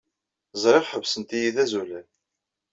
Ẓriɣ ḥesbent-iyi d azulal.